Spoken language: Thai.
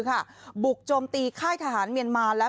กลุ่มน้ำเบิร์ดเข้ามาร้านแล้ว